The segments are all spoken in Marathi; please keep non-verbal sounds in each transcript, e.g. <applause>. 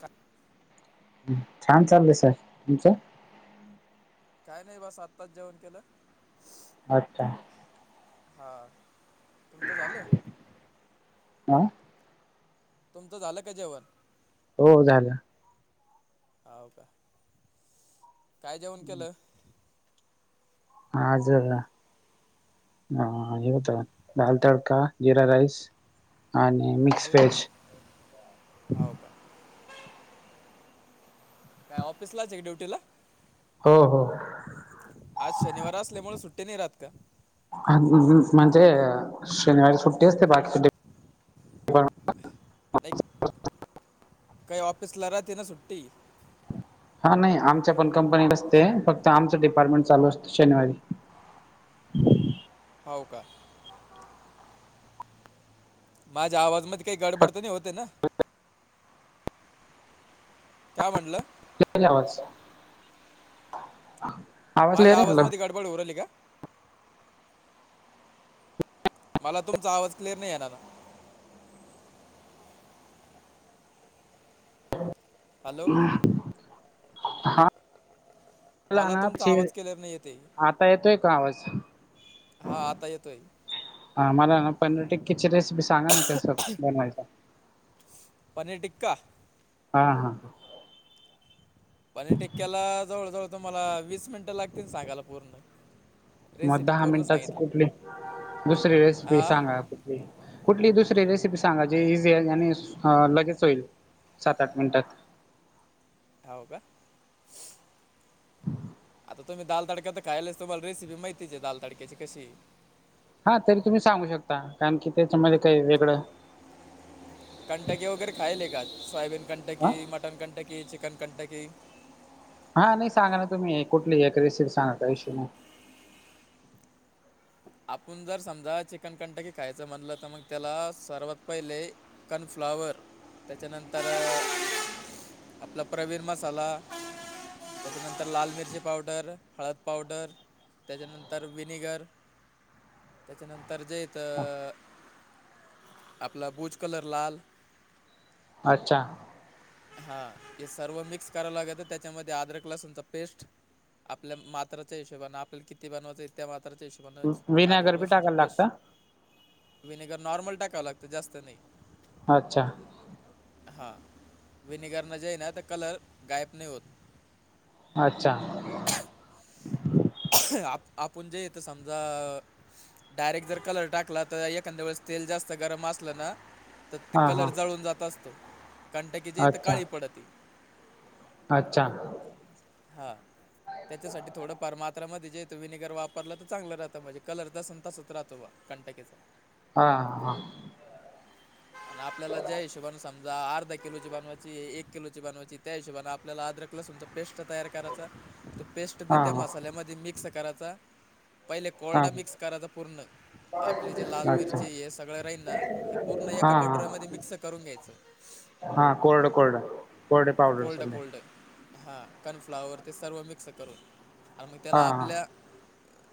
हां छान चालुं आहे सरं तुमचं कायं नाहीं बसं आत्ताचं जेवणं केलं अच्छा हे हां तुमचं झालं हं तुमचं झालं कां जेवणं हो झालं होव कां कायं जेवणं केलं आजरा भात दाल तडका जिरा राईस आणि मिक्सं वेज होव कां? कायं ऑफिसलांच आहे ड्युंटी लां हो हो आज शनिवार असल्यामुळें सुट्टी नाहीं राहातं कां? हं म्हणजे शनिवारी सुट्टी असतें बाकी सुट्टी एक कांहीं ऑफिस लां राहतं नां सुुट्टी हां नाहीं आमच्या पणं कंपनीत असतें फक्तं आमचं डिपार्टमेंट चालूं असतं शनिवारी. होव कां माझ्यां आवाजामंध्ये कांहीं गडबडतं नाहीं होतें नां. ह <unintelligible> कायं म्हटलं. येते कां आवाज क्लिअर माझ्यां आवाज म्हटलं मध्यें गडबड हून राहाली कां. मला तुमंचा आवाज क्लिअर नाहीं येनार. हॅलो हं हां मला तुमंचा आवाज क्लिअर नाही येते आहे. आता येतोय कां आवाज हां आता येतोय. हां मला नां पनीर टिक्की ची रेसिपी सांगा नां कसं बनवायचं. पनीर टिक्का हां हां पणीर टिक्क्यांला जवळं जवळं तुम्हांला वीस मिनिटं लागतील सांगायला पूर्ण मगं रेसिपी दहा पूर्ण मिनिटांच सांगितलं कुठले दुसरी रेसिपी हा सांगा. कुठली दुसरी रेसिपी सांगायची इझी आहे आणि लगेच होईल. सात आठ मिनिटांत. हव का आता तुम्ही दल तडका तर खायच तु्हाला रेसिपी माहिती आहे दाल तडक्याची कशी, हा तरी तुम्ही सांगू शकता कारण की त्याच्यामध्येध्ये काही वेगळं कंटकी वगैरे खायले का सोयाबीन ह Kentucky mutton Kentucky chicken Kentucky हा नाही सांगा ना तुम्ही कुठली एक रेसिपी सांगा का इश्यू नाही. आपणं जर समजा चिकनकंटकी खायचं म्हणलं तरं मगं त्यांला सर्वांत पहिलें कोनफ्लाॅवर त्यांच्यानंतर आपला प्रवीण मसाला त्यांच्यानंतर लाल मिर्ची पावडर हळंद पावडर त्यांच्यानंतर विनेगर त्यांच्यानंतर जेथ हा, आपला बूज कलर लाल अच्छा हां हे सर्व मिक्स करायचं लागेल तरं त्यांच्यामध्ये अदरक लसूणची पेस्ट आपल्या मात्रा हशबाने आपल्या किती बनवाचंय त्या म्राच्या हिशब विनयगरपी टाकायला लागत. विनेगर नॉर्मल टाकावं लागतं जास्त नाही. अच्छा. हा. विनेगर न जे ना तर कलर गायब नाही होत. अच्छा. आप आपण जे येतं समजा- डायरेक्ट जर कलर टाकला तर, एखाद्या वेळेस तेल जास्त गरम असलं ना? तर ते हा हा कलर जळून जात असतो. कंटकी जे आहे ती अच्छा काळी पडती. अच्छा. हा. त्याच्यासाठी थोडं- फार मात्रामध्ये जे त व्हिनेगर वापरलं तर चांगलं राहतं. म्हणजे कलर तसन तसाच राहतो बा कंटकी - हा हा. आणि आपल्याला ज्या हिशोबाने- ज अर्धा किलोची बनवायची. एक किलोची बनवायची. त्या हिशोबाने आपल्याला अद्रक लसूणचा पेस्ट तयार करायचा- त पेस्ट बी- हा त्या हा मसाल्यामध्ये मिक्स करायचा. पहिले हा कोरडा मिक्स करायचा पूर्ण. आपले जे लाल अच्छा मिरची हे सगळे राहील ना? ते पूर्ण हा एका हा कटोऱ्यामध्ये मिक्स करून घ्यायचं. हा. कोरड कोरड. कोरडे पावडर कोल्ड सगळे. कोल्ड हां. कर्नफ्लावर ते सर्व मिक्स करून. आणि मग हा त्याला हा आपल्या-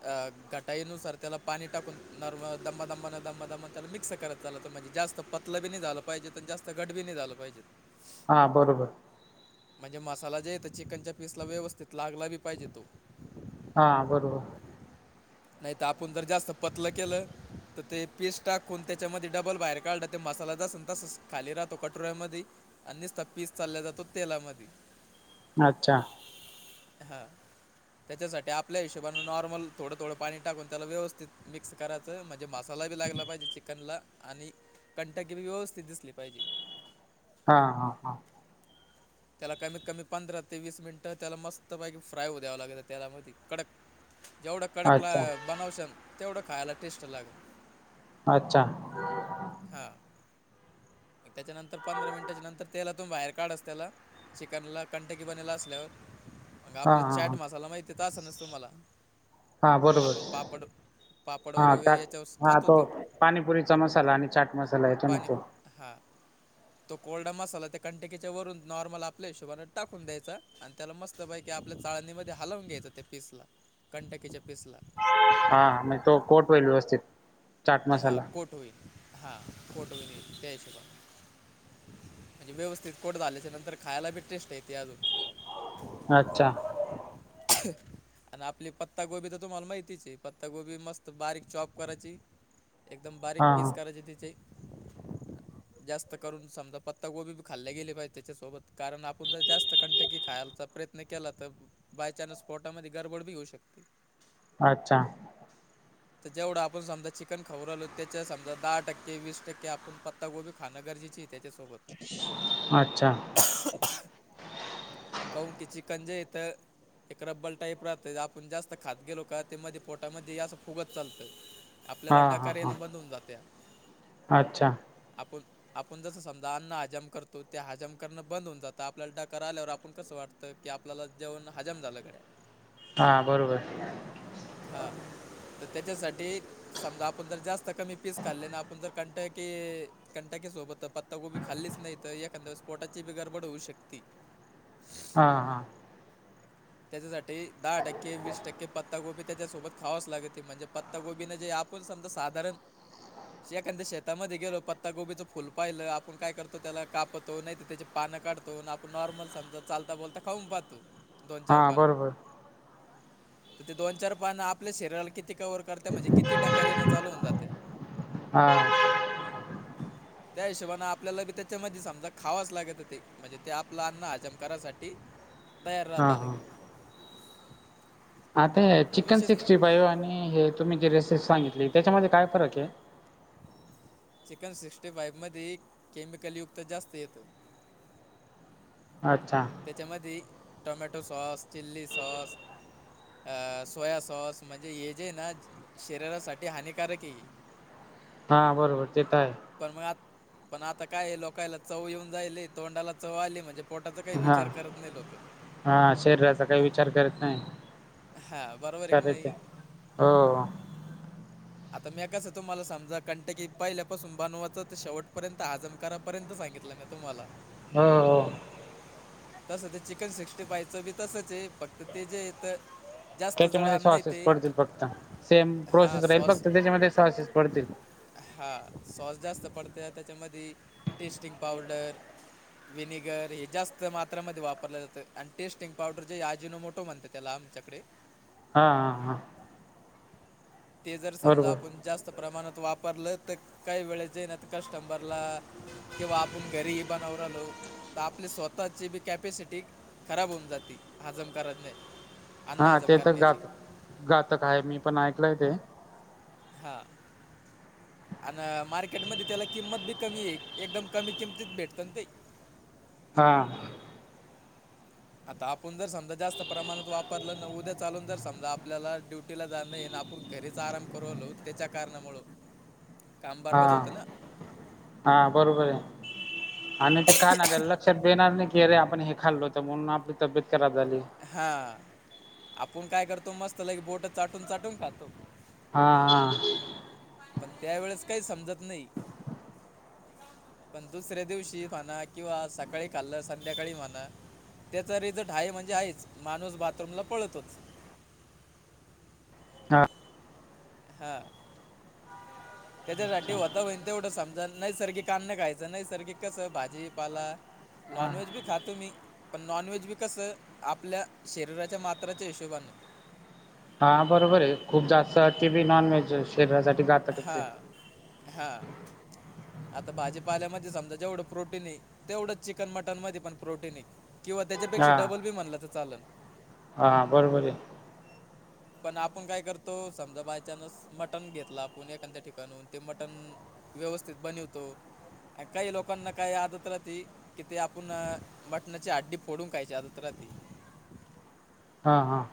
आ घटाईनुसार त्याला पाणी टाकून नॉर्मल दंबा दममा न दंबा दम त्याला मिक्स करत चालायचं म्हणजे जास्त पत- लं बी नाही झालं पाहिजे. पण जास्त घट बी नाही झालं पाहिजे. हा बरोबर. म्हणजे मसाला जे आहे तो चिकनच्या पीसला व्यवस्थित लागला बी पाहिजे तो. हा बरोबर. नाही तर आपण जर जास्त पतलं केलं- तर ते पीस टाकून त्याच्यामध्ये डबल बाहेर काढल तर ते मसाला तसान तसा खाली राहतो कटोऱ्यामध्ये- आणि सनुसता पीस चालल्या जातो तेलामधी. अच्छा. हा. त्याच्यासाठी आपल्या हिशोबने नॉर्मल, थोडं थोडं पाणी टाकून त्याला व्यवस्थित मिक्स कराय - च म्हणजे मसाला बी लागला पाहिजे चिकनला. आणि कंटकी बी व्यवस्थित दिसली पाहिजे. हा हा हा. त्याला कमीत कमी पंधरा ते वीस मिनिटं त्याला मस्त पैकी फ्राय होऊ द्यावं लागत - तेलामध्ये कडक. जेवढा कडक ला अच्छा बनवशाल तेवढं खायला टेस्ट लागेल. अच्छा. हा. त्याच्यानंतर पंधरा मिनिटाच्या नंतर तेलातून बाहेर काढायचं त्याला- चिकन ला कंटकी बनेल असल्यावर- मग आपला हा चॅट हा मसाला माहिती त असेलच तु म्हाला. हा बरोबर आपण पापड- पापड हा त्या. वगैरे याच्यावर हा खात तो होते पाणीपुरीचा मसाला आणि चाट मसाला येतो न पाणी तो. हा. तो कोरडा मसाला त्या कंटकीच्या वरून नॉर्मल आपल्या हिशोबाने टाकून द्यायचा- आणि त्याला मस्त पैकी आपल्या चाळणीमध्ये हलवून घ्यायचं त्या पीसला. कंटकीच्या पिसला. हा. म तो कोट होईल व्यवस्थित. चाट हा मसाला कोट होईल. हा कोट होईल त्या हिशोबान. म्हणजे व्यवस्थित कोट झाल्याच्या नंतर खायला बी टेस्ट येते अजून. अच्छा. आणि आपली पत्तागोबी तर तुम्हाला माहितीच आहे. पत्तागोबी मस्त बारीक चॉप करायची- एकदम बारीक हा पीस हा करायचे तिचे. <inaudible> जास्त करून समजा, पत्ता गोबी खाल्ले गेले पाहिजे त्याच्यासोबत, कारण आपण जर जास्त कंटकी खायलाचा प्रयत्न केला तर त्यानेच पोटामध्ये, गडबड बी होऊ शकते. अच्छा! तर जेवढं आपण समजा चिकन खाऊ राहीलो, त्याच्या समजा दहा टक्के, वीस टक्के, आपण पत्तागोबी खान गरजेचे तेच्यासोबत अच्छा! कऊन की चिकंज जे येत एक रब्बल टाईप राहतं, आपण जास्त खात गेलो का, ते मध्ये पोटामध्ये असं फुगत चालतं. आपल्याला हा हा डकार हा येणं बंद होउन जात्या. अच्छा! आपण, आपण जसं समजा अन्न हजम करतो, ते हजम करणं बंद होऊन जातं, आपल्याला डकार आल्यावर आपण कसं वाटतं की, आपल्याला जेवण हजम झालं काय? हा बरोबर. हा. तर त्याच्यासाठी, समजा आपण जर जास्त कमी पीस खाल्ले ना, आपण जर कणटय की कंटाकेसोबत पत्तागोबी खाल्लीच नाही तर, एखांद वेळेस पोटाची बी गडबड होऊ शकती. हा हा. त्याच्यासाठी दहा टक्के, वीस टक्के, पत्तागोबी त्याच्यासोबत खावाच लागत, ते म्हणजे पत्तागोबीने जे आप आपूण समजा साधारण एखाद्या शेतामध्ये गेलो, पत्तागोबीच फुल पाहिलं, आपण काय करतो त्याला कापतो, नाही तर त्याचे पानं काढतो, आपण नॉर्मल समजा, चालता, बोलता, खाऊन पाहतो दोन चार हा पानं बरोबर तर ते दोन चार पानं, आपले शरीराला किती कव्हर करत म्हणजे किती डकार येण चालू होऊन जाते? हा <inaudible> त्या हिशोबाने आपल्याला बी त्याच्यामध्ये समजा, खावाच लागत ते. म्हणजे ते आपलं अन्न हजम करासाठी, तयार हा राहतं हा. लगे आता, आणि चिकन विशेष सिक्स्टी फाइव्ह आणि हे तुम्ही जी रेसिपी सांगितली, त्याच्यामध्ये काय फरक आहे? चिकन सिक्स्टी फाईव्ह मध्ये, केमिकल युक्त जास्त येतं. अच्छा! त्याच्यामध्ये, टोमॅटो सॉस, चिल्ली सॉस अ सोया सॉस, म्हणजे हे जे ना, शरीरासाठी हानिकारक आहे. हा, बरोबर. ते तर आहे. पण मग आता, पण आता काय हे, लोकाला चव येऊन जायले, तोंडाला चव आली म्हणजे पोटाच काही हा विचार करत नाही लोक. हा, शरीराचा काही विचार करत नाही. हा, बरोबर आहे कि खरं ते नाही? हो. आता मी कसं तुम्हाला समजा, कंट की पहिल्यापासून बनुवाचं, तर शेवटपर्यंत आजम कर पर्यंत सांगितलं ना तुम्हाला. हो हो. तस ते चिकन सिक्स्टी फाईवच बी तसच आहे, फक्त ते जेे येत त्याच्यामध्ये सॉसेस पडतील फक्त, सेम हां प्रोसेस राहील, फक्त त्याच्यामध्ये सॉसेस पडतील. हा सॉस जास्त पडत त्याच्यामध्ये टेस्टिंग पावडर विनेगर हे जास्त मात्रामध्ये वापरलं जातं आणि टेस्टिंग पावडर जे अजिनोमोटो म्हणतात त्याला आमच्याकडे हा हा हा. ते जर समजा बरोबर आपण जास्त प्रमाणात वापरलं तर काही वेळेस ना कस्टमरला किंवा आपण घरीही बनवू राहिलो तर आपली स्वतःची बी कॅपॅसिटी खराब होऊन जाती. हजम करत नाही. अन्न हा हजम ते च तर करण्याची गात घातक आहे मी पण ऐकलंय ते. हा. आण मार्केटमध्ये त्याला किंमत बी कमी आहे एकदम कमी किमतीत भेटतना ते. हा. आता आपण जर समजा जास्त प्रमाणात वापरलं उद्या चालून जर समजा आपल्याला ड्युटीला जाण येण आपण घरीच आराम करवलो त्याच्या कारणामुंळ ह <unintelligible> काम बरबाद होतं ना. हा बरोबर आहे. आणि ते खाणाऱ्याला लक्षात बी येणार नाही की अरे आपण हे खाल्लो होत, म्हणून आपली तब्येत खराब झाली. हा आपण काय करतो मस्त लय कि बोट चाटून चाटून खातो. हा हा. पण त्यावेेळेस काही समजत नाही पण दुसऱ्या दिवशी म्हणा किंवा सकाळी खाल्लं संध्याकाळी म्हणा त्याचा रिझल्ट आहे म्हणजे आहेच. माणूस बाथरूमला पळतोच. हा. हा. <inaudible> त्याच्यासाठी होता होईन तेवढं समजा. नैसर्गिक अन्न खायचं नैसर्गिक कस भाजीपाला हां नॉनवेज बी खातो मी. पण नॉनव्हेज बी कसं आपल्या शरीराच्या मात्राच्या हिशोबाने. हा बरोबर आहे. खूप जास्त ते बी नॉन व्हेज शरीरासाठी घातकच आहे. हा. आता भाजीपाल्यामध्ये समजा जेवढं प्रोटीन आहे तेवढंच चिकन मटन मध्ये पण प्रोटिन आहे किंवा त्याच्यापेक्षा डब्बल बी म्हणलं तर चालल. हां हां बरोबर आहे. पण आपण काय करतो समजा बायचानस मटन घेतला आपण एखाद्या ठिकाणून ते मटण व्यवस्थित बनवतो काही लोकांना काही आदत राहती कि ते आपण मटणाची हड्डी फोडून खायची आदत राहती. हा हा.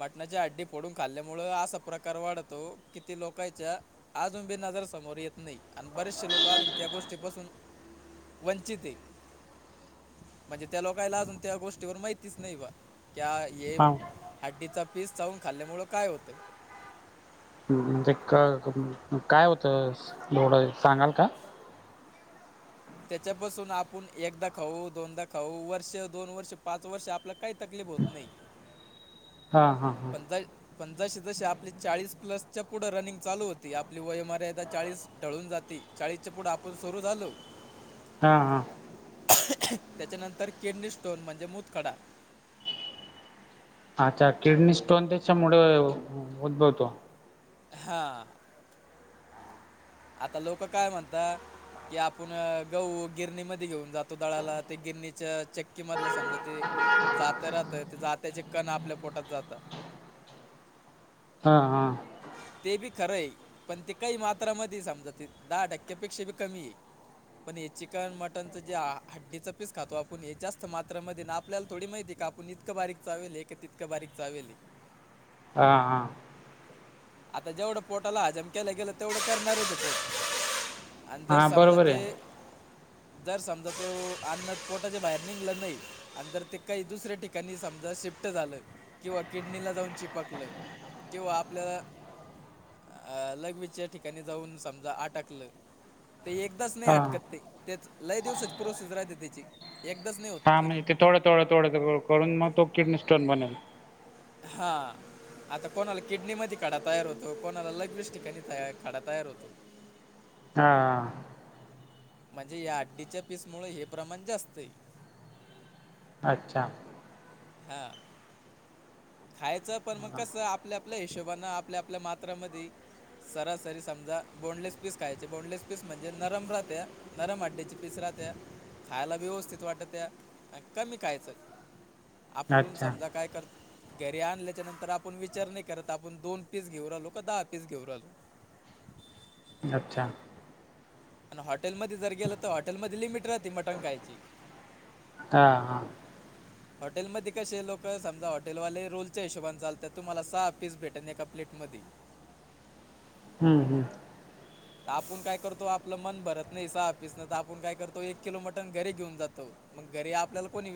मटणाच्या हड्डी फोडून खाल्ल्यामुळ असा प्रकार वाढतो किती लोकाच्या अजून बी नजर समोर येत नाही आणि बरेचसे लोक अजून त्या गोष्टीपासून वचित है. म्हणजे त्या लोकाला अजून त्या गोष्टीवर माहितीच नाही बा क हे हा हड्डीचा पीस चाऊन खाल्ल्यामुळ काय होतं! म्हणजे काय होतं, थोडं सांगाल का? त्याच्यापासून आपण एकदा खाऊ दोनदा खाऊ वर्ष दोन वर्ष पाच वर्ष आपलं काही तकलीफ होत नाही. हा हा. पण जर पण जसे जसे आपले चाळीस प्लसच्या पुढे रनिंग चालू होती आपली वय मर्यादा चाळीस टळून जाती चाळीसच्या पुढं आपण सुरू झालो. हा हा. त्याच्यानंतर किडनी स्टोन म्हणजे मुतखडा. अच्छा किडनी स्टोन त्याच्यामुळे, उद्भवतो. हा, आता लोक काय म्हणतात कि आपूण गहू गिरणीमध्ये घेऊन जातो दळाला ते गिरणीच्या चक्की मधल समजा ते जात राहतं ते जात्याचे कण आपल्या पोटात जात. हा हा. ते बी खरं आहे, पण ते काही मात्रामध्ये समजा ते दहा टक्क्यापेक्षा बी कमी आहे. पण हे चिकन मटनच जे हड्डीच पीस खातो आपण हे जास्त मात्रामध्ये <unintelligible> आपल्याला थोडी माहिती का आपण इतकं बारीक चावीले कि तितकं बारीक चावीले. हा हा. आता जेवढं पोटाला हजम केलं गेलं तेवढं करणारच होत. आणि जर हां समजा बरोबर ते आहे जर समजा तो अन्न पोटाच्या बाहेर निघलं नाही आणिं जर ते काही दुसऱ्या टि ठिकाणी समजा शिफ्ट झालं, किंवा किडनीला जाऊन चिपकलं, किंवा आपल्याला अ लघवीच्या ठिकाणी जाऊन समजा आटकलं, ते एकदाच नाही हां आटकत ते. तेच लय दिवसची प्रोसेस राहत्या त्याची. एकदाच नाही होत. हा म्हणजे ते थोडं थोड थोडं करून मग तो किडनी स्टोन बनेल. हा. आता कोणाला किडनी मध्ये खडा तयार होतो कोणाला लघवीच्या ठिकाणी खडा तयार होतो. हा. म्हणजे या हाड्डीच्या पीस मूळ हे प्रमाण जास्त आहे. अच्छा. हा. खायचं पण मग कसं आपल्या आपल्या हिशोबन आपल्या आपल्या मात्रामध्ये. सरासरी समजा बोनलेस पीस खायचे बोनलेस पीस म्हणजे नरम राहते. नरम हाड्डीचे पीस राहत्या, खायला व्यवस्थित वाटतत्या, अन कमी खायचं. आपलून अच्छा समजा काय कर घरी आणल्याच्या नंतर आपण विचार नाही करत आपण दोन पीस घेऊ राहिलो का दहा पीस घेऊ राहिलो. अच्छा. अन हॉटेलमध्ये जर गेलं तर हॉटेलमध्ये लिमिट राहते मटन खायची. हा हा. हॉटेलमध्ये कसे लोक समजा हॉटेलवाले रोलच्या हिशोबान चालत्यात तुम्हाला सहा पीस भेटन एका प्लेट मध्ये. हम्म हम्म. आपूण काय करतो आपलं मन भरत नाही सहा पिसणं तर आपण काय करतो एक किलो मटन घरी घेऊन जातो. मग घरी आपल्याला कोणी वि